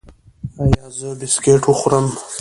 ایا زه بسکټ وخورم؟